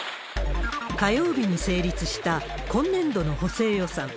火曜日に成立した今年度の補正予算。